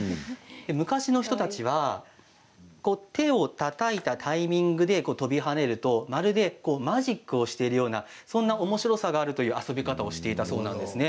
昔の人たちは手をたたいたタイミングで跳びはねるとまるでマジックをしているようなおもしろさがあるという遊び方をしていたそうです。